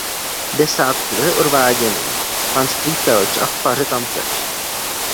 Desátky byly odváděny panství Telč a faře tamtéž.